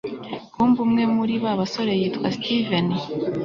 kumbe umwe muri babasore yitwa steven